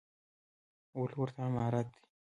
ولورت عمارت دی؟